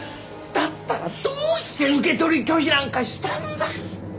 だったらどうして受け取り拒否なんかしたんだ！？